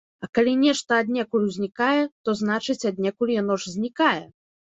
А калі нешта аднекуль узнікае, то значыць, аднекуль яно ж знікае.